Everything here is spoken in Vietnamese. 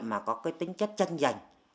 mà có cái tính chất chân giành